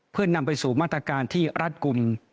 เพื่อนำไปสู่มาตรการที่รัฐกลุ่ม